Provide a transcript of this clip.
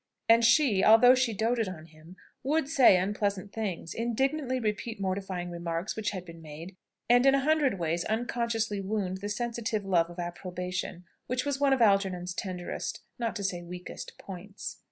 And she, although she doated on him, would say unpleasant things, indignantly repeat mortifying remarks which had been made, and in a hundred ways unconsciously wound the sensitive love of approbation which was one of Algernon's tenderest (not to say weakest) points.